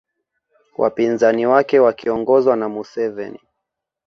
Wapinzani wake wakiongozwa na Museveni